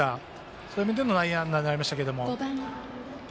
そういう意味での内野安打になりましたけれども。